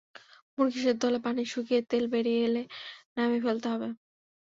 মুরগি সেদ্ধ হলে পানি শুকিয়ে তেল বেরিয়ে এলে নামিয়ে ফেলতে হবে।